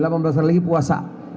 delapan belas hari lagi puasa